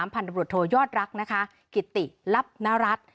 พันธบรวจโทยอดรักนะคะกิติลับนรัฐ